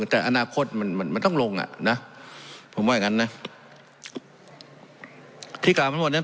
เพราะมันก็มีเท่านี้นะเพราะมันก็มีเท่านี้นะ